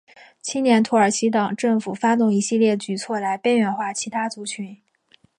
青年土耳其党政府发动一系列的举措来边缘化其他族群。